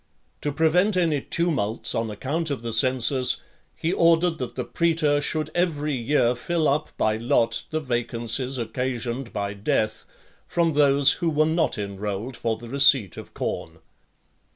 To prevent any tumults on account of the census, he ordered that the praetor should every year fill up by lot the vacancies occasioned by death, from those who were not enrolled for the receipt of corn.